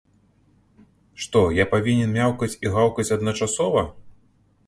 Што, я павінен мяўкаць і гаўкаць адначасова?!